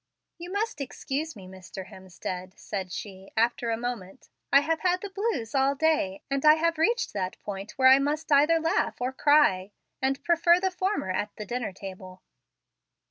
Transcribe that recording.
"You must excuse me, Mr. Hemstead," said she, after a moment, "I have had the blues all day, and have reached that point where I must either laugh or cry, and prefer the former at the dinner table."